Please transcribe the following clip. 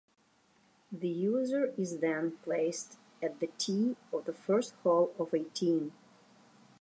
The user is then placed at the tee of the first hole of eighteen.